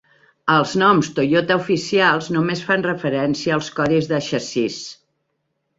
Els noms Toyota oficials només fan referència als codis de xassís.